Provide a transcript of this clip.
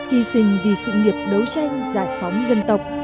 hy sinh vì sự nghiệp đấu tranh giải phóng dân tộc